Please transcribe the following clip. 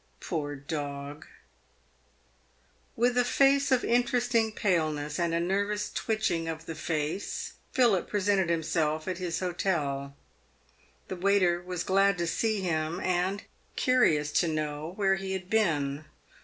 Poor dog ! With a face of interesting paleness, and a nervous twitching of the 368 PAYED WITH GOLD. face, Philip presented himself at his hotel. The waiter was glad to see him, and curious to know where he had been.